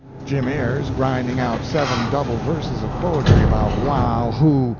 Jim Ayers grinding out seven double verses of poetry about Waw hoo!